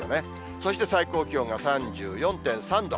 そして最高気温が３４．３度。